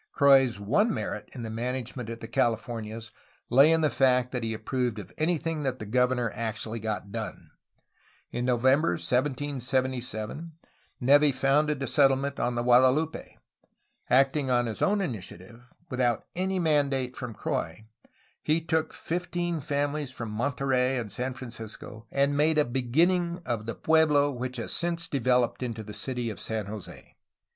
Croix's one merit in the management of the Californias lay in the fact that he approved anything that the governor actually got done. In November 1777 Neve founded a settlement on the Guadalupe. Acting on his own initiative, without any mandate from Croix, he took fifteen families from Monterey and San Francisco, and made a beginning of the pueblo which has since developed into the city of San Jose.